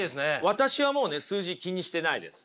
私はもうね数字気にしてないです。